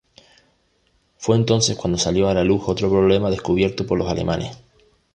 Fue entonces cuando salió a la luz otro problema descubierto por los alemanes.